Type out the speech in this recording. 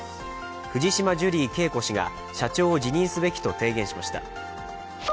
藤島ジュリー景子氏が社長を辞任すべきと提言しました。